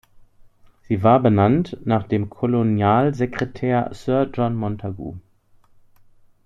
Sie war benannt nach dem Kolonialsekretär Sir John Montagu.